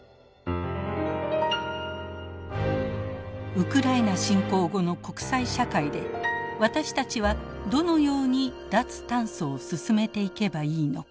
ウクライナ侵攻後の国際社会で私たちはどのように脱炭素を進めていけばいいのか。